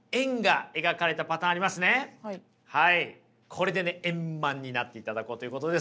これで円満になっていただこうということですけれども。